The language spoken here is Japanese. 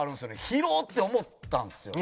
広っ！って思ったんですよ。